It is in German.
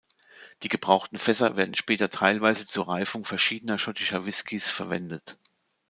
Die gebrauchten Fässer werden später teilweise zur Reifung verschiedener schottischer Whiskys verwendet.